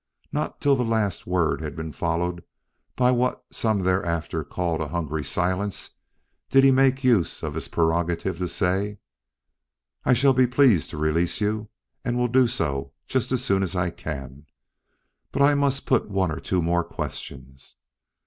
Not till the last word had been followed by what some there afterward called a hungry silence, did he make use of his prerogative to say: "I shall be pleased to release you and will do so just as soon as I can. But I must put one or two more questions.